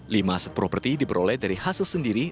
lima aset properti diperoleh dari hasil sendiri